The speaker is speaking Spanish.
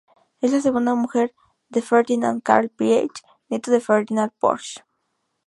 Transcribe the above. Es la segunda mujer de Ferdinand Karl Piëch, nieto de Ferdinand Porsche.